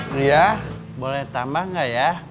nia boleh tambah gak ya